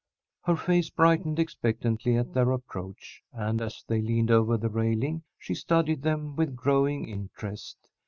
Her face brightened expectantly at their approach, and, as they leaned over the railing, she studied them with growing interest.